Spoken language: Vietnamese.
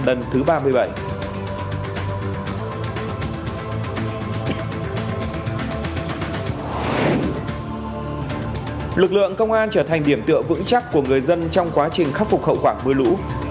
lực lượng công an trở thành điểm tựa vững chắc của người dân trong quá trình khắc phục hậu quả mưa lũ